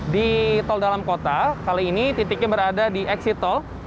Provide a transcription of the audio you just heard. di tol dalam kota kali ini titiknya berada di exit tol